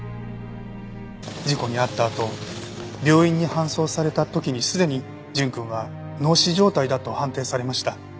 事故に遭ったあと病院に搬送された時にすでに純くんは脳死状態だと判定されました。